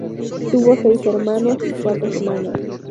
Tuvo seis hermanos y cuatro hermanas.